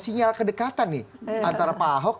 sinyal kedekatan nih antara pak ahok